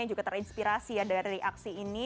yang juga terinspirasi ya dari aksi ini